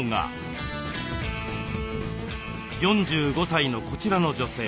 ４５歳のこちらの女性。